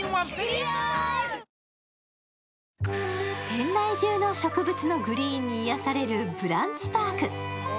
店内中の植物のグリーンに癒やされるブランチパーク。